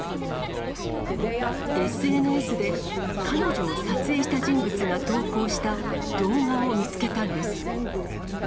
ＳＮＳで彼女を撮影した人物が投稿した動画を見つけたんです。